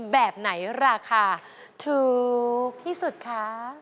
แบบไหนราคาถูกที่สุดคะ